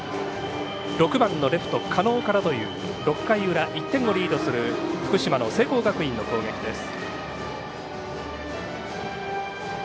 ６番レフト狩野からという６回裏１点リードする福島の聖光学院の攻撃です。